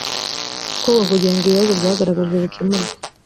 gukorwa kugira ngo ibibazo byagaragajwe bikemurwe